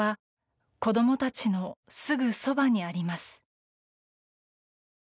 戦争は子供たちのすぐそばにあります。